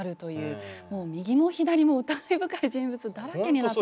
もう右も左も疑い深い人物だらけになってしまう。